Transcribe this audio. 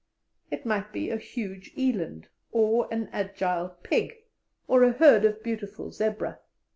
It might be a huge eland, or an agile pig, or a herd of beautiful zebra.